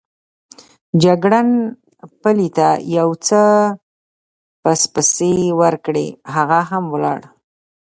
جګړن پلي ته یو څه پسپسې وکړې، هغه هم ولاړ.